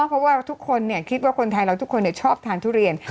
เพราะว่าทุกคนคิดว่าคนไทยเราทุกคนชอบทานทุเรียน